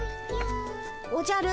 おじゃる